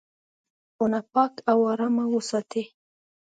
د خوب خونه پاکه او ارامه وساتئ.